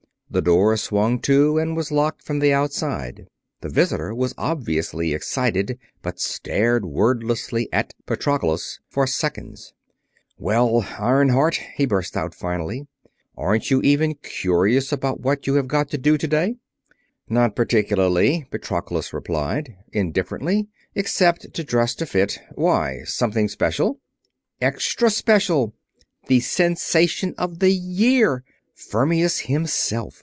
The door swung to and was locked from the outside. The visitor was obviously excited, but stared wordlessly at Patroclus for seconds. "Well, Iron heart," he burst out finally, "aren't you even curious about what you have got to do today?" "Not particularly," Patroclus replied, indifferently. "Except to dress to fit. Why? Something special?" "Extra special. The sensation of the year. Fermius himself.